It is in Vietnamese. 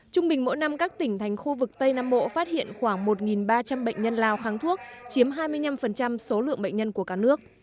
trung bình mỗi năm các tỉnh thành khu vực tây nam bộ phát hiện khoảng một ba trăm linh bệnh nhân lao kháng thuốc chiếm hai mươi năm số lượng bệnh nhân của cả nước